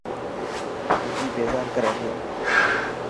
وڪي بيزار ڪري پيو.